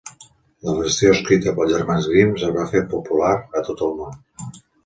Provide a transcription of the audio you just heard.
La versió escrita pels germans Grimm es va fer popular a tot el món.